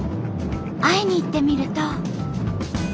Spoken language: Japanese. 会いに行ってみると。